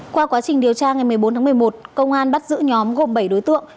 qua quá trình điều tra ngày một mươi bốn tháng một mươi một công an bắt giữ nhóm gồm bảy đối tượng